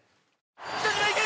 北島いけ！